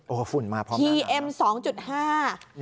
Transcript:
โอ้ฝุ่นมาพร้อมหน้าหนาว